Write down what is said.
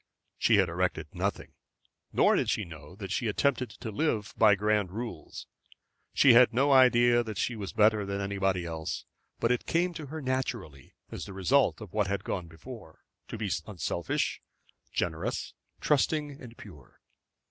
She had erected nothing. Nor did she know that she attempted to live by grand rules. She had no idea that she was better than anybody else; but it came to her naturally as the result of what had gone before, to be unselfish, generous, trusting, and pure.